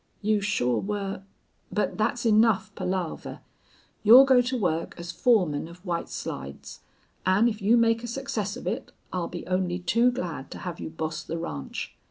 You sure were But thet's enough palaver.... You'll go to work as foreman of White Slides. An' if you make a success of it I'll be only too glad to have you boss the ranch.